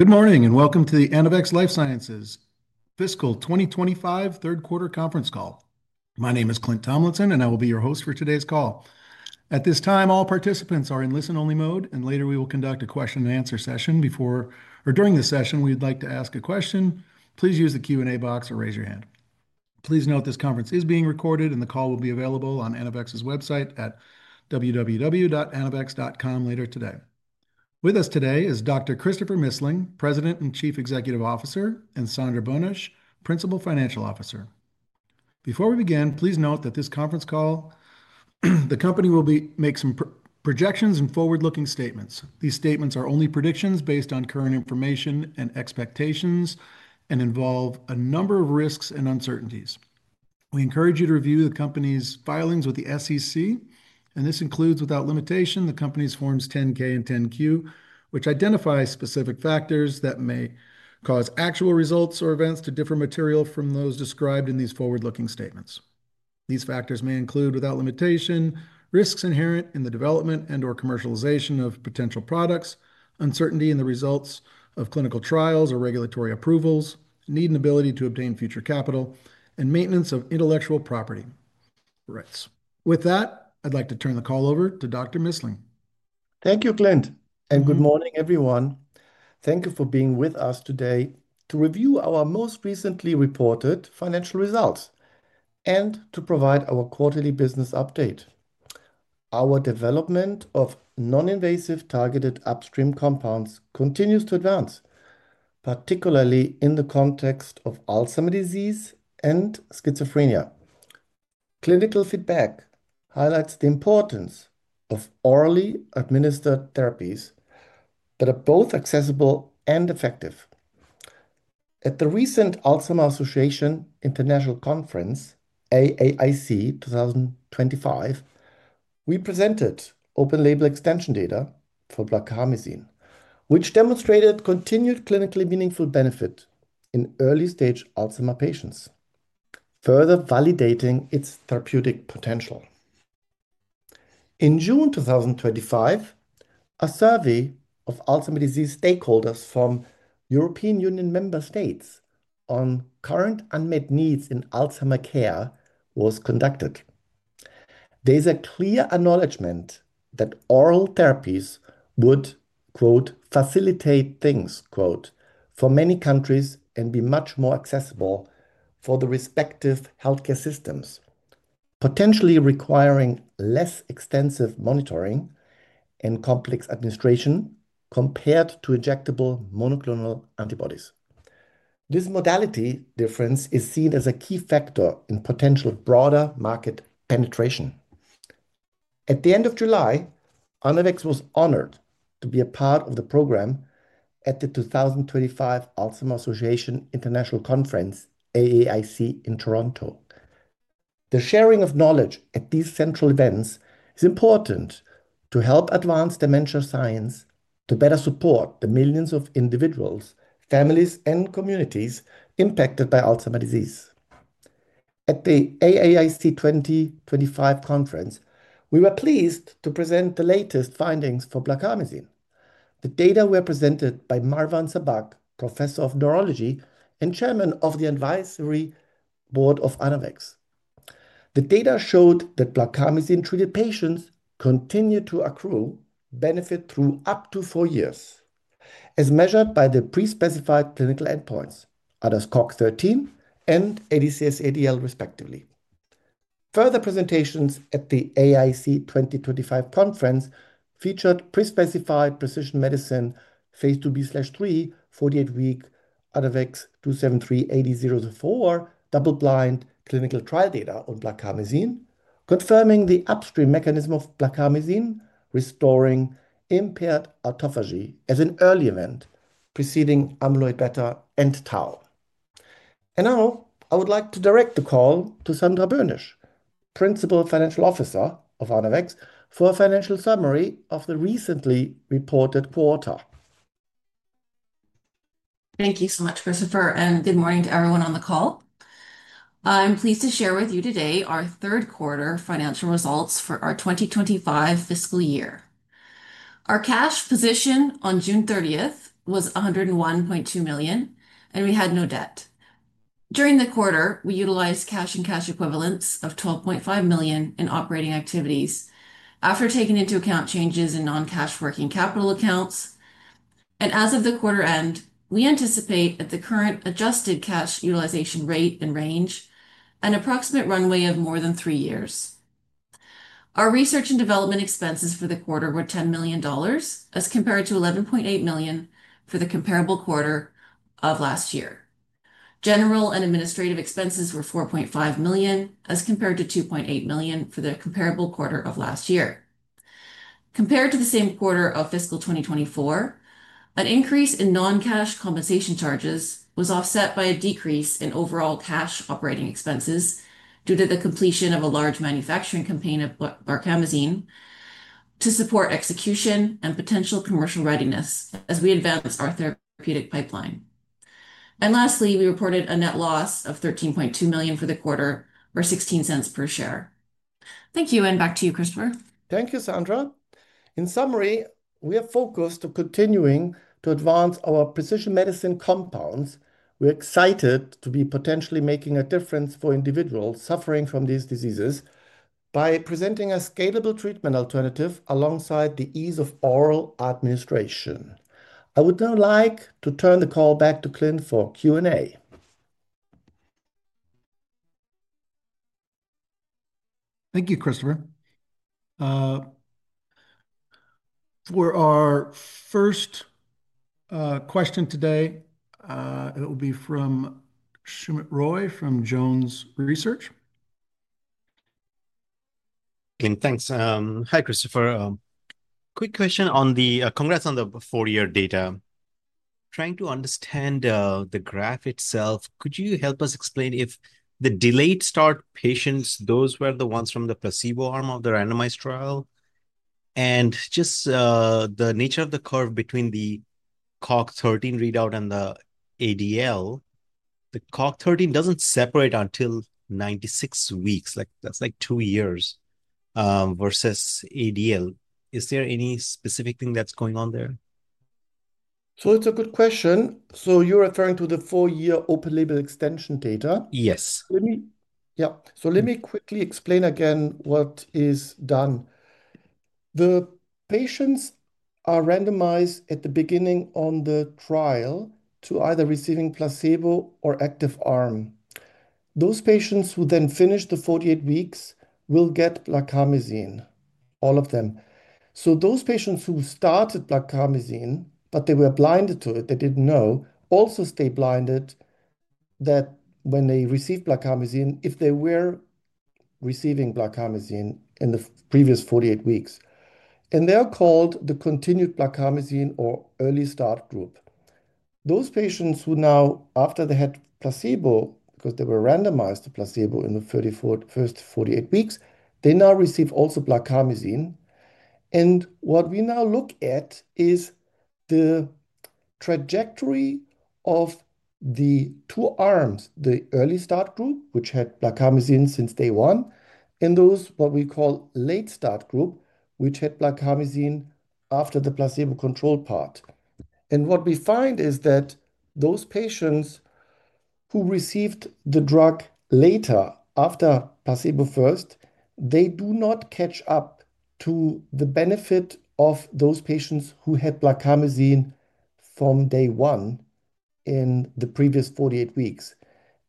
Good morning and welcome to the Anavex Life Sciences Corp. Fiscal 2025 Third Quarter Conference Call. My name is Clint Tomlinson, and I will be your host for today's call. At this time, all participants are in listen-only mode, and later we will conduct a question-and-answer session. Before or during this session, if you'd like to ask a question, please use the Q&A box or raise your hand. Please note this conference is being recorded, and the call will be available on Anavex.'s website at www.anavex.com later today. With us today is Dr. Christopher Missling, President and Chief Executive Officer, and Sandra Boenisch, Principal Financial Officer. Before we begin, please note that during this conference call, the company will make some projections and forward-looking statements. These statements are only predictions based on current information and expectations and involve a number of risks and uncertainties. We encourage you to review the company's filings with the SEC, and this includes, without limitation, the company's Forms 10-K and 10-Q, which identify specific factors that may cause actual results or events to differ materially from those described in these forward-looking statements. These factors may include, without limitation, risks inherent in the development and/or commercialization of potential products, uncertainty in the results of clinical trials or regulatory approvals, need and ability to obtain future capital, and maintenance of intellectual property rights. With that, I'd like to turn the call over to Dr. Missling. Thank you, Clint, and good morning, everyone. Thank you for being with us today to review our most recently reported financial results and to provide our quarterly business update. Our development of non-invasive targeted upstream compounds continues to advance, particularly in the context of Alzheimer's disease and schizophrenia. Clinical feedback highlights the importance of orally-administered therapies that are both accessible and effective. At the recent Alzheimer's Association International Conference, AAIC 2025, we presented open-label extension data for blarcamesine, which demonstrated continued clinically meaningful benefit in early-stage Alzheimer's patients, further validating its therapeutic potential. In June 2025, a survey of Alzheimer's disease stakeholders from European Union member states on current unmet needs in Alzheimer's care was conducted. There's a clear acknowledgment that oral therapies would, "facilitate things," for many countries and be much more accessible for the respective healthcare systems, potentially requiring less extensive monitoring and complex administration compared to injectable monoclonal antibodies. This modality difference is seen as a key factor in potential broader market penetration. At the end of July, Anavex was honored to be a part of the program at the 2025 Alzheimer's Association International Conference, AAIC, in Toronto. The sharing of knowledge at these central events is important to help advance dementia science to better support the millions of individuals, families, and communities impacted by Alzheimer's disease. At the AAIC 2025 conference, we were pleased to present the latest findings for blarcamesine. The data were presented by Marwan Sabbagh, Professor of Neurology and Chairman of the Advisory Board of Anavex . The data showed that blarcamesine-treated patients continued to accrue benefit through up to four years, as measured by the pre-specified clinical endpoints, ADAS-Cog 13, and ADCS-ADL, respectively. Further presentations at the AAIC 2025 conference featured pre-specified precision medicine Phase IIB/III, 48-week ANAVEX 27380-04, double-blind clinical trial data on blarcamesine, confirming the upstream mechanism of blarcamesine restoring impaired autophagy as an early event preceding amyloid-beta and tau. I would like to direct the call to Sandra Boenisch, Principal Financial Officer of Anavex for a financial summary of the recently reported quarter. Thank you so much, Christopher, and good morning to everyone on the call. I'm pleased to share with you today our third quarter financial results for our 2025 fiscal year. Our cash position on June 30 was $101.2 million, and we had no debt. During the quarter, we utilized cash and cash equivalents of $12.5 million in operating activities after taking into account changes in non-cash working capital accounts. As of the quarter end, we anticipate at the current adjusted cash utilization rate and range, an approximate runway of more than three years. Our research and development expenses for the quarter were $10 million as compared to $11.8 million for the comparable quarter of last year. General and administrative expenses were $4.5 million as compared to $2.8 million for the comparable quarter of last year. Compared to the same quarter of fiscal 2024, an increase in non-cash compensation charges was offset by a decrease in overall cash operating expenses due to the completion of a large manufacturing campaign of blarcamesine to support execution and potential commercial readiness as we advance our therapeutic pipeline. Lastly, we reported a net loss of $13.2 million for the quarter, or $0.16 per share. Thank you, and back to you, Christopher. Thank you, Sandra. In summary, we are focused on continuing to advance our precision medicine compounds. We're excited to be potentially making a difference for individuals suffering from these diseases by presenting a scalable treatment alternative alongside the ease of oral administration. I would now like to turn the call back to Clint for Q&A. Thank you, Christopher. For our first question today, it will be from Soumit Roy from Jones Research. Again, thanks. Hi, Christopher. Quick question on the congress on the four-year data. Trying to understand the graph itself, could you help us explain if the delayed start patients, those who are the ones from the placebo arm of the randomized trial, and just the nature of the curve between the ADAS-Cog 13 readout and the ADCS-ADL, the ADAS-Cog 13 doesn't separate until 96 weeks. That's like two years versus ADCS-ADL. Is there any specific thing that's going on there? That's a good question. You're referring to the four-year open-label extension data? Yes. Let me quickly explain again what is done. The patients are randomized at the beginning of the trial to either receiving placebo or active arm. Those patients who then finish the 48 weeks will get blarcamesine, all of them. Those patients who started blarcamesine, but they were blinded to it, they didn't know, also stay blinded that when they receive blarcamesine, if they were receiving blarcamesine in the previous 48 weeks. They're called the continued blarcamesine or early start group. Those patients who now, after they had placebo, because they were randomized to placebo in the first 48 weeks, they now receive also blarcamesine. What we now look at is the trajectory of the two arms, the early start group, which had blarcamesine since day one, and those, what we call late start group, which had blarcamesine after the placebo control part. What we find is that those patients who received the drug later, after placebo first, they do not catch up to the benefit of those patients who had blarcamesine from day one in the previous 48 weeks.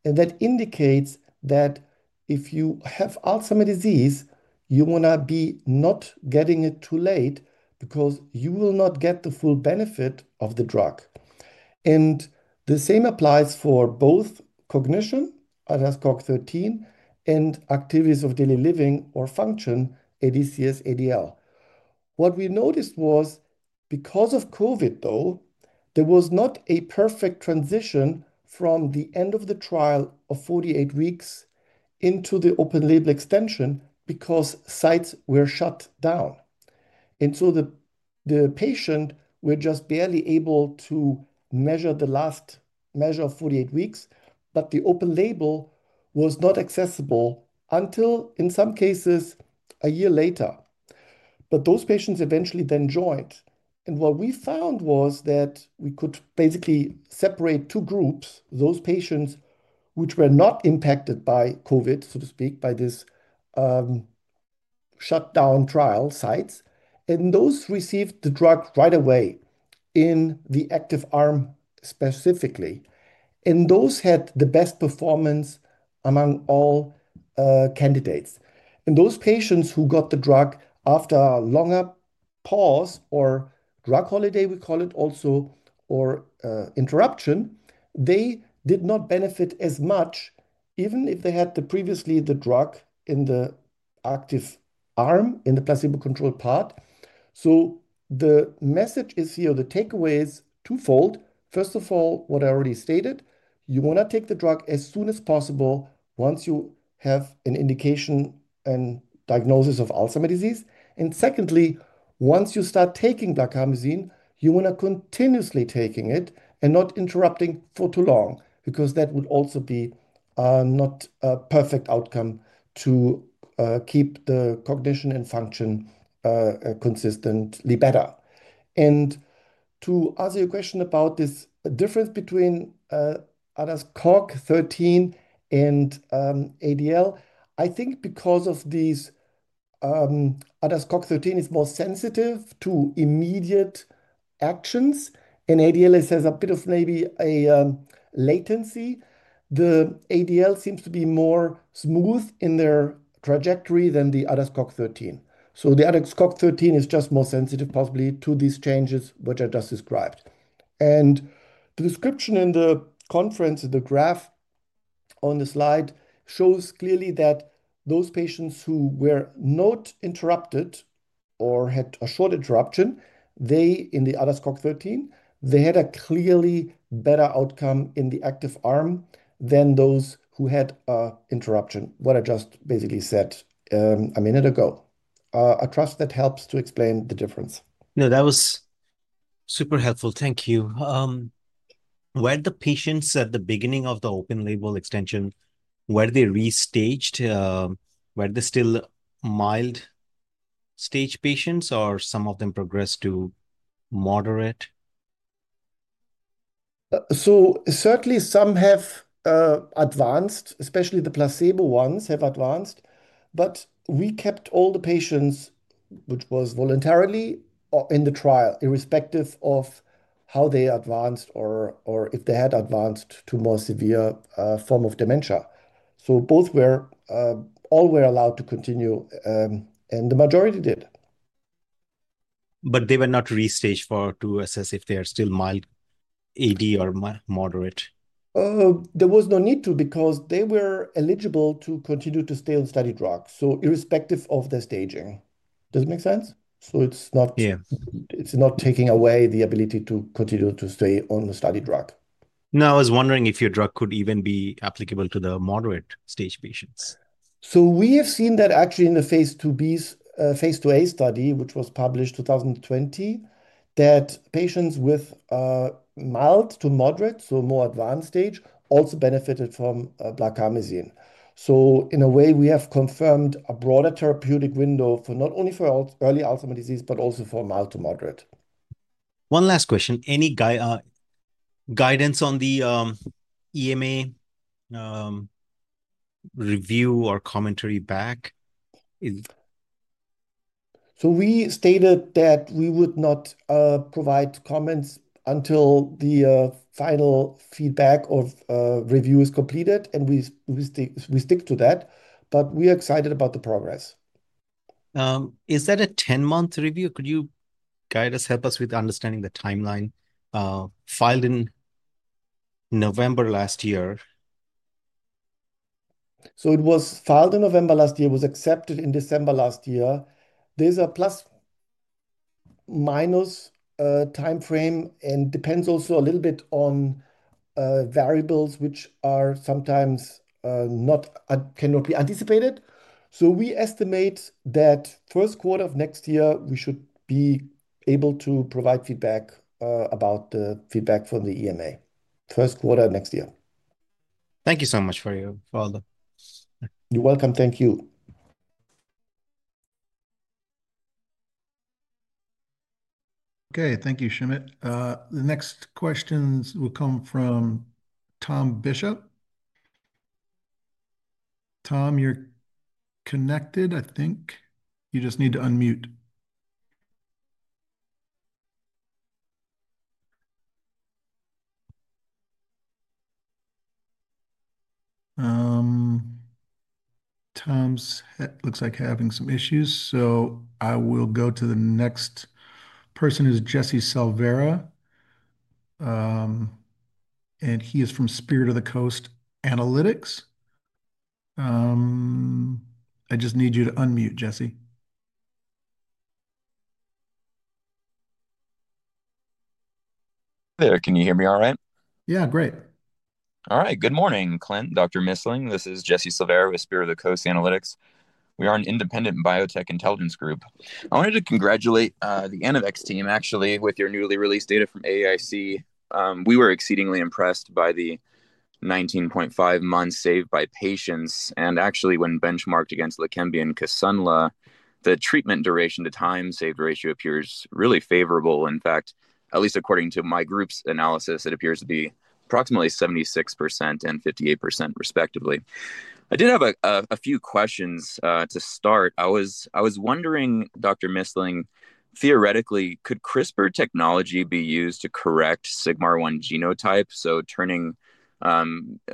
That indicates that if you have Alzheimer's disease, you will not be getting it too late because you will not get the full benefit of the drug. The same applies for both cognition, ADAS-Cog 13, and activities of daily living or function, ADCS-ADL. What we noticed was, because of COVID, there was not a perfect transition from the end of the trial of 48 weeks into the open-label extension because sites were shut down. The patients were just barely able to measure the last measure of 48 weeks, but the open-label was not accessible until, in some cases, a year later. Those patients eventually then joined. What we found was that we could basically separate two groups, those patients which were not impacted by COVID, so to speak, by this shutdown trial sites, and those received the drug right away in the active arm specifically. Those had the best performance among all candidates. Those patients who got the drug after a longer pause or drug holiday, we call it also, or interruption, they did not benefit as much even if they had previously the drug in the active arm in the placebo control part. The message here, the takeaway is twofold. First of all, what I already stated, you want to take the drug as soon as possible once you have an indication and diagnosis of Alzheimer's disease. Secondly, once you start taking blarcamesine, you want to continuously take it and not interrupt it for too long because that would also be not a perfect outcome to keep the cognition and function consistently better. To answer your question about this difference between ADAS-Cog 13 and ADL, I think because of these, ADAS-Cog 13 is more sensitive to immediate actions, and ADL has a bit of maybe a latency. The ADL seems to be more smooth in their trajectory than the ADAS-Cog 13. The ADAS-Cog 13 is just more sensitive, possibly, to these changes which I just described. The description in the conference, in the graph on the slide, shows clearly that those patients who were not interrupted or had a short interruption, in the ADAS-Cog 13, they had a clearly better outcome in the active arm than those who had an interruption, what I just basically said a minute ago. I trust that helps to explain the difference. No, that was super helpful. Thank you. Were the patients at the beginning of the open-label extension, were they restaged? Were they still mild stage patients, or some of them progressed to moderate? Certainly, some have advanced, especially the placebo ones have advanced. We kept all the patients which were voluntarily in the trial, irrespective of how they advanced or if they had advanced to a more severe form of dementia. Both were all allowed to continue, and the majority did. They were not restaged to assess if they are still mild AD or moderate? There was no need to because they were eligible to continue to stay on the study drug, irrespective of their staging. Does it make sense? It is not taking away the ability to continue to stay on the study drug. Now, I was wondering if your drug could even be applicable to the moderate stage patients. We have seen that actually in the Phase IIB, Phase IIA study, which was published in 2020, that patients with mild to moderate, so more advanced stage, also benefited from blarcamesine. In a way, we have confirmed a broader therapeutic window not only for early Alzheimer's disease, but also for mild to moderate. One last question. Any guidance on the EMA review or commentary back? We stated that we would not provide comments until the final feedback or review is completed, and we stick to that. We are excited about the progress. Is that a 10-month review? Could you guide us, help us with understanding the timeline? Filed in November last year. It was filed in November last year, was accepted in December last year. There's a plus-minus time frame, and it depends also a little bit on variables which are sometimes not, cannot be anticipated. We estimate that first quarter of next year, we should be able to provide feedback about the feedback from the EMA. First quarter of next year. Thank you so much for all the. You're welcome. Thank you. Okay. Thank you, Soumit. The next questions will come from Tom Bishop. Tom, you're connected, I think. You just need to unmute. Tom's head looks like having some issues, so I will go to the next person. This is Jesse Salvera, and he is from Spirit of the Coast Analytics. I just need you to unmute, Jesse. Can you hear me all right? Yeah, great. All right. Good morning, Clint, Dr. Missling. This is Jesse Salvera with Spirit of the Coast Analytics. We are an independent biotech intelligence group. I wanted to congratulate the Anavex team, actually, with your newly released data from AAIC. We were exceedingly impressed by the 19.5 months saved by patients. When benchmarked against Leqembi and Kisunla, the treatment duration to time saved ratio appears really favorable. In fact, at least according to my group's analysis, it appears to be approximately 76% and 58%, respectively. I did have a few questions to start. I was wondering, Dr. Missling, theoretically, could CRISPR technology be used to correct sigma-1 genotype, so turning a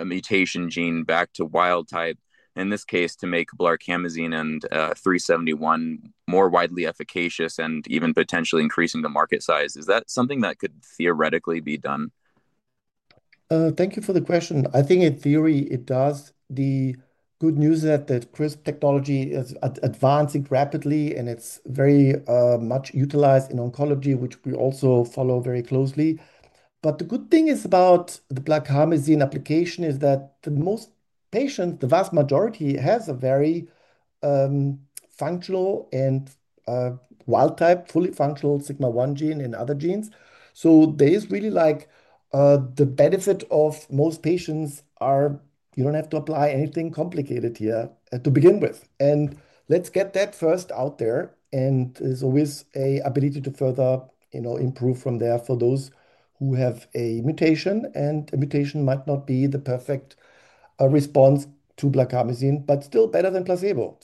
mutation gene back to wild type, in this case, to make blarcamesine and 3-71 more widely efficacious and even potentially increasing the market size? Is that something that could theoretically be done? Thank you for the question. I think in theory, it does. The good news is that CRISPR technology is advancing rapidly, and it's very much utilized in oncology, which we also follow very closely. The good thing about the blarcamesine application is that most patients, the vast majority, have a very functional and wild type, fully functional sigma-1 gene and other genes. There's really the benefit that for most patients you don't have to apply anything complicated here to begin with. Let's get that first out there. There's always an ability to further improve from there for those who have a mutation, and a mutation might not be the perfect response to blarcamesine, but still better than placebo.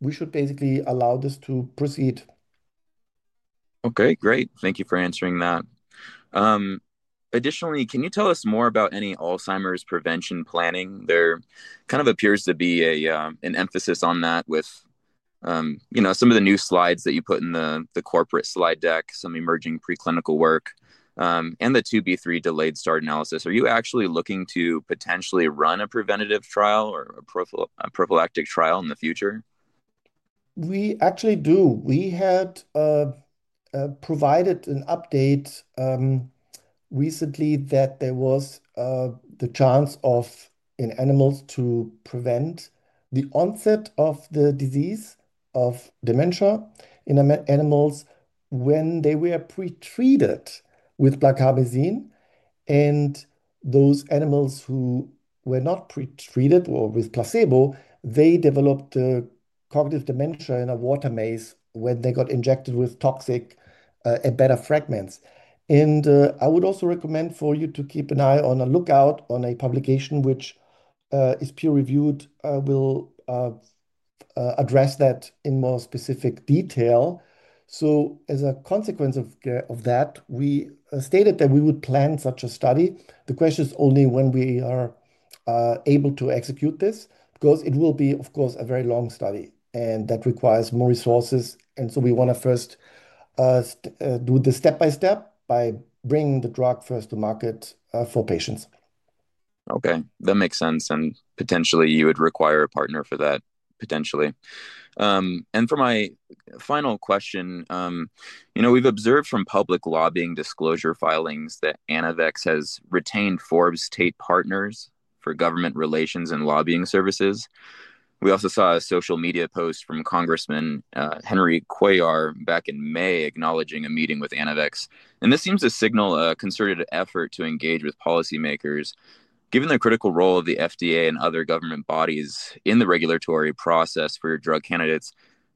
We should basically allow this to proceed. Okay, great. Thank you for answering that. Additionally, can you tell us more about any Alzheimer's prevention planning? There appears to be an emphasis on that with some of the new slides that you put in the corporate slide deck, some emerging preclinical work, and the 2B3 delayed start analysis. Are you actually looking to potentially run a preventative trial or a prophylactic trial in the future? We actually do. We had provided an update recently that there was the chance in animals to prevent the onset of the disease of dementia in animals when they were pretreated with blarcamesine. Those animals who were not pretreated or with placebo developed cognitive dementia in a water maze when they got injected with toxic beta fragments. I would also recommend for you to keep an eye on a lookout on a publication which is peer-reviewed. I will address that in more specific detail. As a consequence of that, we stated that we would plan such a study. The question is only when we are able to execute this because it will be, of course, a very long study, and that requires more resources. We want to first do this step by step by bringing the drug first to market for patients. Okay. That makes sense. Potentially, you would require a partner for that, potentially. For my final question, you know we've observed from public lobbying disclosure filings that Anavex has retained Forbes State Partners for government relations and lobbying services. We also saw a social media post from Congressman Henry Cuellar back in May acknowledging a meeting with Anavex Life Sciences Corp. This seems to signal a concerted effort to engage with policymakers. Given the critical role of the FDA and other government bodies in the regulatory process for your drug candidates,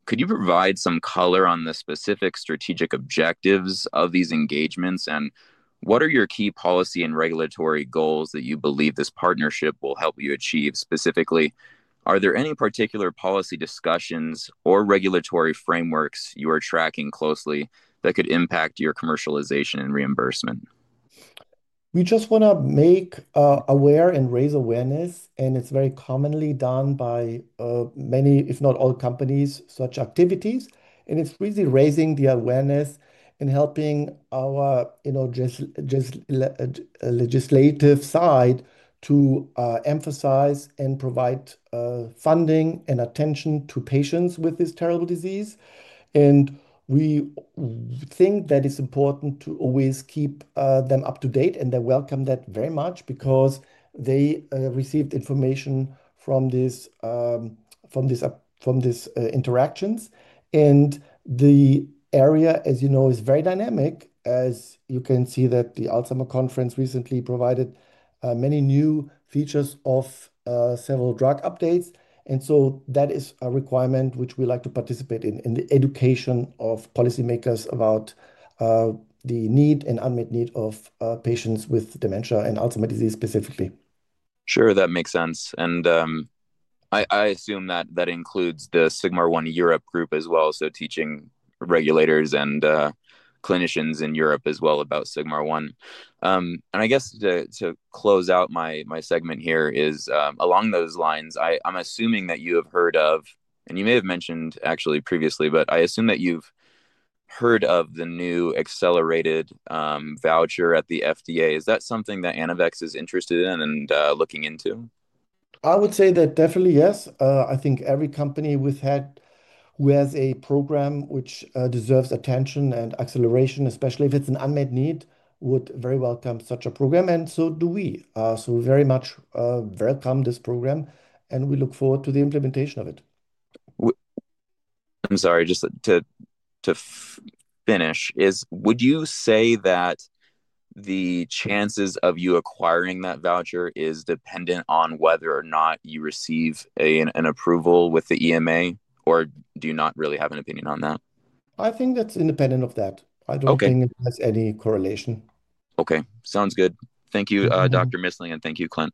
could you provide some color on the specific strategic objectives of these engagements? What are your key policy and regulatory goals that you believe this partnership will help you achieve specifically? Are there any particular policy discussions or regulatory frameworks you are tracking closely that could impact your commercialization and reimbursement? We just want to make aware and raise awareness. It's very commonly done by many, if not all, companies, such activities. It's really raising the awareness and helping our legislative side to emphasize and provide funding and attention to patients with this terrible disease. We think that it's important to always keep them up to date. They welcome that very much because they receive information from these interactions. The area, as you know, is very dynamic, as you can see that the Alzheimer's Conference recently provided many new features of several drug updates. That is a requirement which we like to participate in, in the education of policymakers about the need and unmet need of patients with dementia and Alzheimer's disease specifically. Sure, that makes sense. I assume that includes the sigma-1 Europe group as well, teaching regulators and clinicians in Europe as well about sigma-1. I guess to close out my segment here along those lines, I'm assuming that you have heard of, and you may have mentioned actually previously, but I assume that you've heard of the new accelerated voucher at the FDA. Is that something that Anavex is interested in and looking into? I would say that definitely, yes. I think every company we've had with a program which deserves attention and acceleration, especially if it's an unmet need, would very much welcome such a program. We very much welcome this program, and we look forward to the implementation of it. I'm sorry, just to finish, would you say that the chances of you acquiring that voucher are dependent on whether or not you receive an approval with the EMA, or do you not really have an opinion on that? I think that's independent of that. I don't think it has any correlation. Okay. Sounds good. Thank you, Dr. Missling, and thank you, Clint.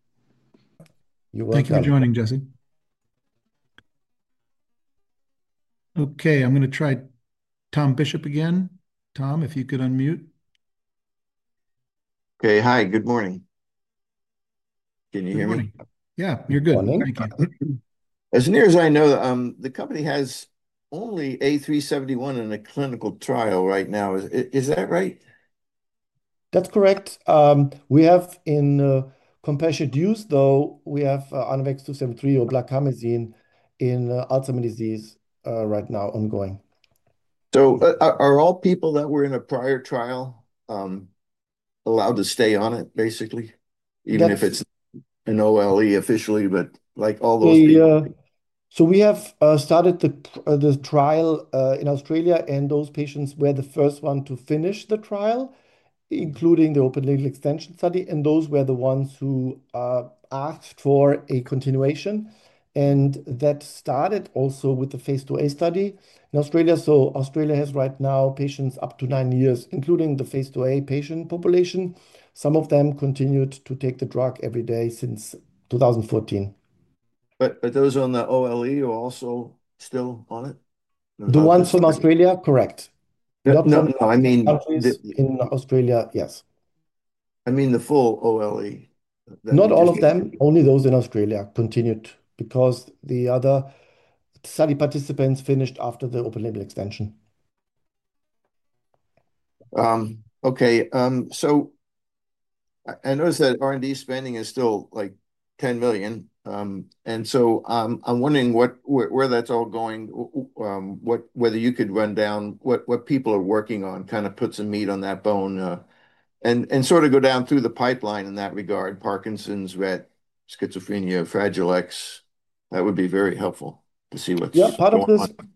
You're welcome. Thanks for joining, Jesse. Okay, I'm going to try Tom Bishop again. Tom, if you could unmute. Okay, hi. Good morning. Can you hear me? Good morning. You're good. As near as I know, the company has only A3-71 in a clinical trial right now. Is that right? That's correct. We have, in compassionate use, though, we have blarcamesine in Alzheimer's disease right now ongoing. Are all people that were in a prior trial allowed to stay on it, basically, even if it's an open-label extension officially, like all those? We have started the trial in Australia, and those patients were the first ones to finish the trial, including the open-label extension study. Those were the ones who asked for a continuation. That started also with the phase IIA study in Australia. Australia has right now patients up to nine years, including the Phase IIA patient population. Some of them continued to take the drug every day since 2014. Those who are on the open-label extension are also still on it? The ones from Australia, correct. I mean. In Australia, yes. I mean the full open-label extension. Not all of them. Only those in Australia continued because the other study participants finished after the open-label extension. Okay. I noticed that R&D spending is still like $10 million. I'm wondering where that's all going, whether you could run down what people are working on, kind of put some meat on that bone, and sort of go down through the pipeline in that regard: Parkinson's, Rett, schizophrenia, Fragile X. That would be very helpful to see what's. Yeah, part of this. Going on.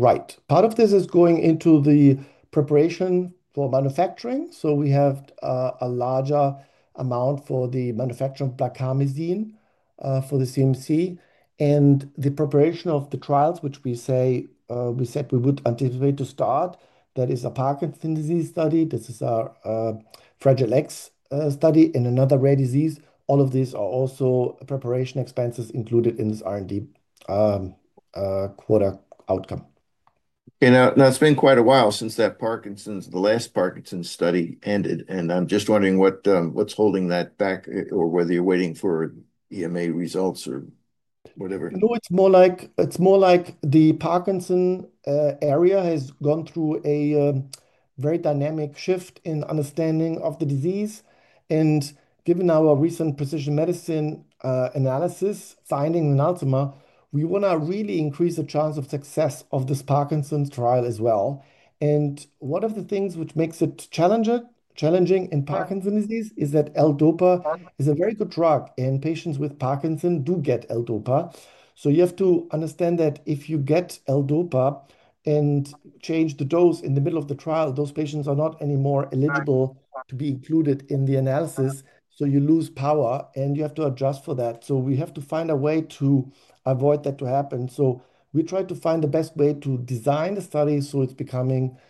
Right. Part of this is going into the preparation for manufacturing. We have a larger amount for the manufacturing of blarcamesine for the CMC and the preparation of the trials, which we said we would anticipate to start. That is a Parkinson's disease study. This is our Fragile X study and another rare disease. All of these are also preparation expenses included in this R&D quarter outcome. Now, it's been quite a while since that Parkinson's, the last Parkinson's study ended. I'm just wondering what's holding that back or whether you're waiting for EMA results or whatever. No, it's more like the Parkinson's area has gone through a very dynamic shift in understanding of the disease. Given our recent precision medicine analysis finding in Alzheimer's, we want to really increase the chance of success of this Parkinson's trial as well. One of the things which makes it challenging in Parkinson's disease is that L-DOPA is a very good drug, and patients with Parkinson's do get L-DOPA. You have to understand that if you get L-DOPA and change the dose in the middle of the trial, those patients are not anymore eligible to be included in the analysis. You lose power, and you have to adjust for that. We have to find a way to avoid that to happen. We try to find the best way to design the study so it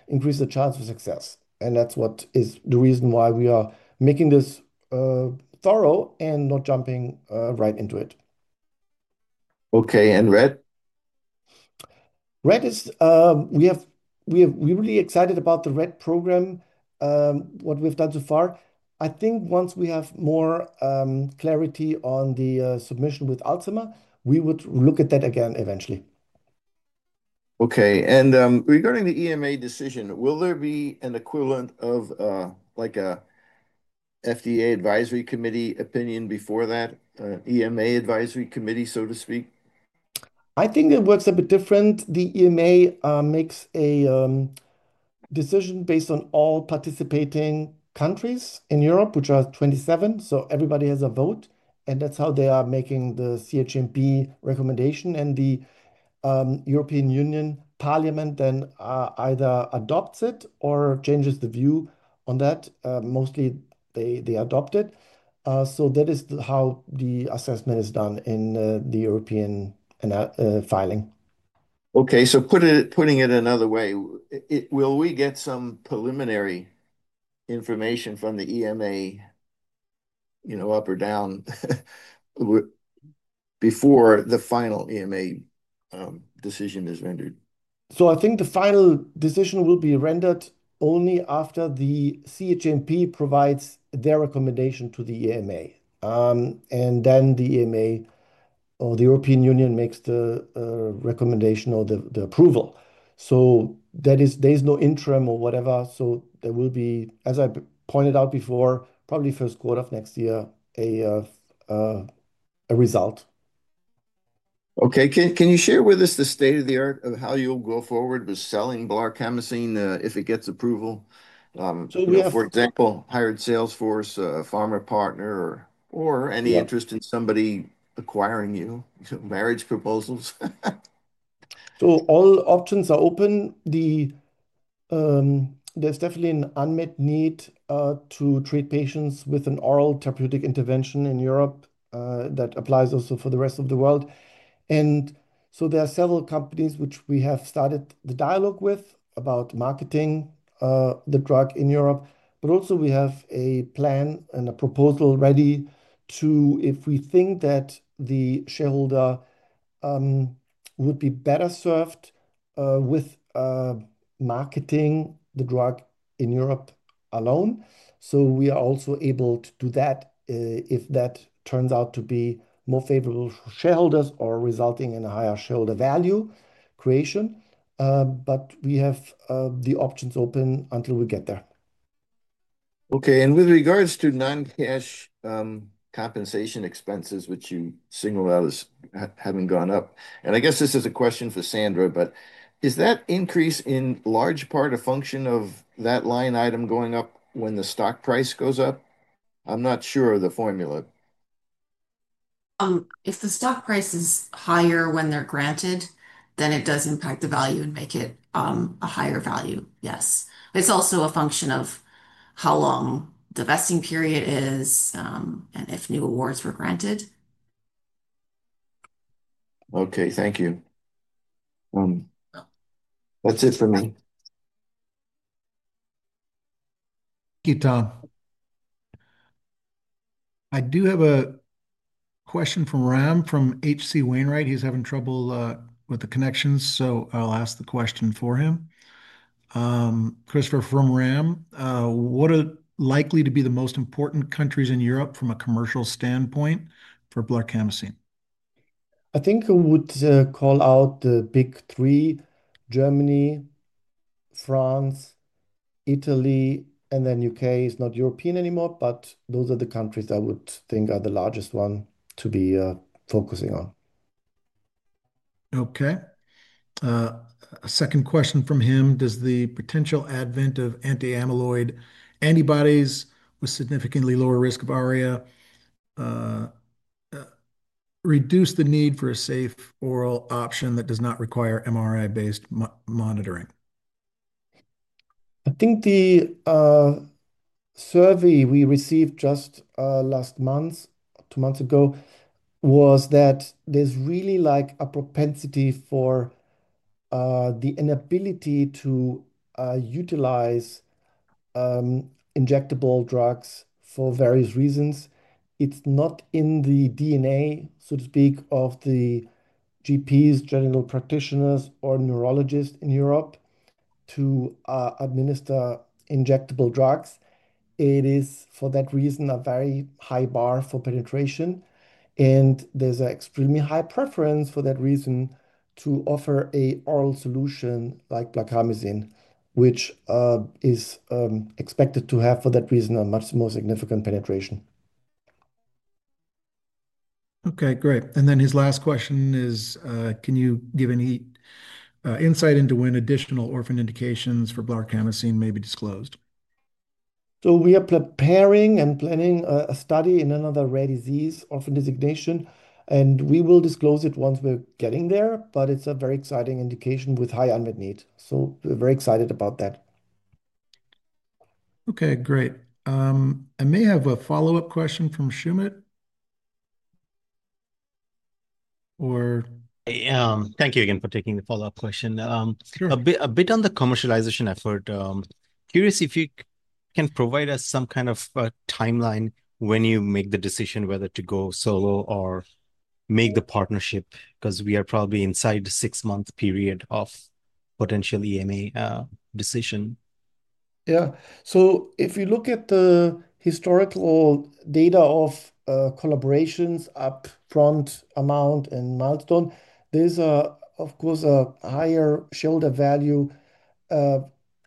increases the chance of success. That is the reason why we are making this thorough and not jumping right into it. Okay. Rett? Rett, we're really excited about the Rett program, what we've done so far. I think once we have more clarity on the submission with Alzheimer's, we would look at that again eventually. Okay. Regarding the EMA decision, will there be an equivalent of like an FDA advisory committee opinion before that, an EMA advisory committee, so to speak? I think it works a bit different. The EMA makes a decision based on all participating countries in Europe, which are 27. Everybody has a vote, and that's how they are making the CHMP recommendation. The European Union Parliament then either adopts it or changes the view on that. Mostly, they adopt it. That is how the assessment is done in the European filing. Okay, putting it another way, will we get some preliminary information from the EMA, you know, up or down, before the final EMA decision is rendered? I think the final decision will be rendered only after the CHMP provides their recommendation to the EMA. Then the EMA or the European Union makes the recommendation or the approval. There is no interim or whatever. There will be, as I pointed out before, probably first quarter of next year, a result. Okay. Can you share with us the state of the art of how you'll go forward with selling blarcamesine if it gets approval? Maybe. For example, hired Salesforce, a pharma partner, or any interest in somebody acquiring you, marriage proposals. All options are open. There's definitely an unmet need to treat patients with an oral therapeutic intervention in Europe that applies also for the rest of the world. There are several companies which we have started the dialogue with about marketing the drug in Europe. We have a plan and a proposal ready to, if we think that the shareholder would be better served with marketing the drug in Europe alone. We are also able to do that if that turns out to be more favorable for shareholders or resulting in a higher shareholder value creation. We have the options open until we get there. Okay. With regards to non-cash compensation expenses, which you singled out as having gone up, I guess this is a question for Sandra, but is that increase in large part a function of that line item going up when the stock price goes up? I'm not sure of the formula. If the stock price is higher when they're granted, then it does impact the value and make it a higher value, yes. It's also a function of how long the vesting period is, and if new awards were granted. Okay. Thank you. That's it for me. Thank you, Tom. I do have a question from Ram from HC Wainwright. He's having trouble with the connections, so I'll ask the question for him. Christopher, from Ram, what are likely to be the most important countries in Europe from a commercial standpoint for blarcamesine? I think I would call out the big three: Germany, France, Italy, and then the UK is not European anymore, but those are the countries I would think are the largest ones to be focusing on. Okay. A second question from him. Does the potential advent of anti-amyloid antibodies with significantly lower risk of RA reduce the need for a safe oral option that does not require MRI-based monitoring? I think the survey we received just last month, two months ago, was that there's really like a propensity for the inability to utilize injectable drugs for various reasons. It's not in the DNA, so to speak, of the GPs, general practitioners, or neurologists in Europe to administer injectable drugs. It is for that reason a very high bar for penetration. There's an extremely high preference for that reason to offer an oral solution like blarcamesine, which is expected to have for that reason a much more significant penetration. Okay, great. His last question is, can you give any insight into when additional orphan indications for blarcamesine may be disclosed? We are preparing and planning a study in another rare disease, orphan designation, and we will disclose it once we're getting there. It is a very exciting indication with high unmet need. We are very excited about that. Okay, great. I may have a follow-up question from Soumit. Thank you again for taking the follow-up question. Sure. A bit on the commercialization effort. Curious if you can provide us some kind of timeline when you make the decision whether to go solo or make the partnership, because we are probably inside the six-month period of potential EMA decision. If you look at the historical data of collaborations upfront, amount, and milestone, there's a higher shareholder value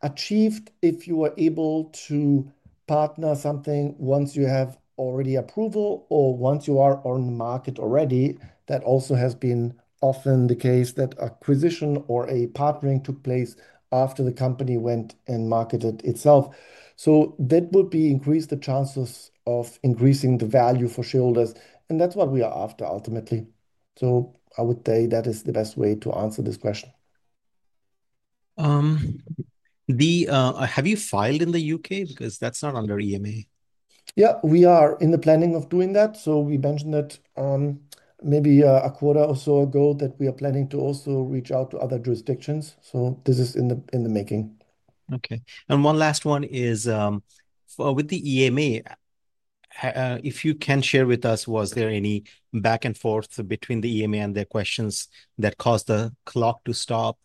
achieved if you are able to partner something once you have already approval or once you are on the market already. That also has been often the case that acquisition or a partnering took place after the company went and marketed itself. That would increase the chances of increasing the value for shareholders. That's what we are after, ultimately. I would say that is the best way to answer this question. Have you filed in the U.K. because that's not under EMA? Yeah, we are in the planning of doing that. We mentioned that maybe a quarter or so ago that we are planning to also reach out to other jurisdictions. This is in the making. Okay. One last one is, with the EMA, if you can share with us, was there any back and forth between the EMA and their questions that caused the clock to stop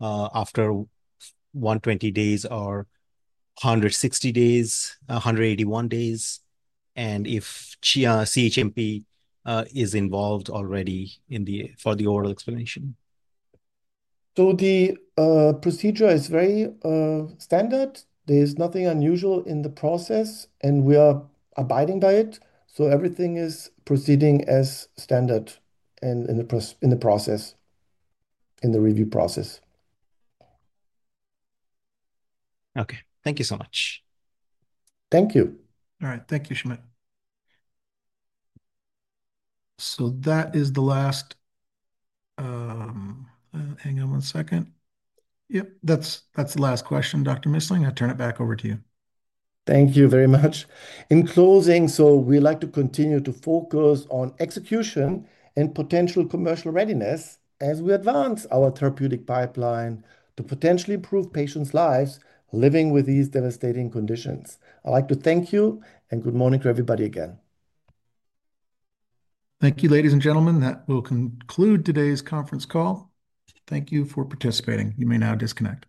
after 120 days or 160 days, 181 days, and if CHMP is involved already for the oral explanation? The procedure is very standard. There's nothing unusual in the process, and we are abiding by it. Everything is proceeding as standard and in the process, in the review process. Okay, thank you so much. Thank you. All right. Thank you, Soumit. That is the last question, Dr. Missling. I turn it back over to you. Thank you very much. In closing, we like to continue to focus on execution and potential commercial readiness as we advance our therapeutic pipeline to potentially improve patients' lives living with these devastating conditions. I'd like to thank you and good morning to everybody again. Thank you, ladies and gentlemen. That will conclude today's conference call. Thank you for participating. You may now disconnect.